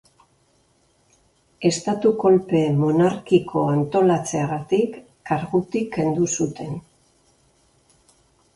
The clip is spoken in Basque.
Estatu-kolpe monarkiko antolatzeagatik kargutik kendu zioten.